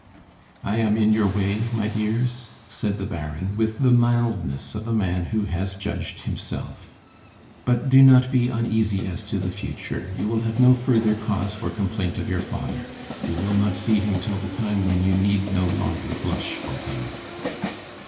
"I am in your way, my dears?" said the Baron, with the mildness of a man who has judged himself. "But do not be uneasy as to the future; you will have no further cause for complaint of your father; you will not see him till the time when you need no longer blush for him."